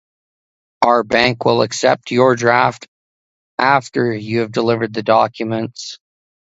Our bank will accept your draft after you have delivered the documents.